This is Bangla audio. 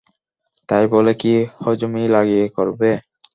তাই বলে কি, হজমী লাগিয়ে করবে?